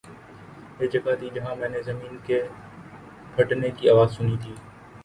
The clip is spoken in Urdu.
”یہ جگہ تھی، جہاں میں نے زمین کے پھٹنے کی آواز سنی تھی